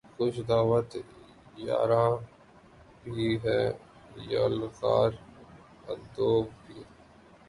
خوش دعوت یاراں بھی ہے یلغار عدو بھی